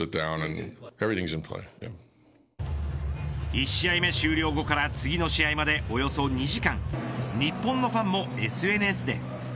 １試合目終了後から次の試合までおよそ２時間日本のファンもＳＮＳで。